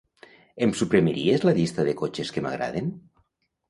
Em suprimiries la llista de cotxes que m'agraden?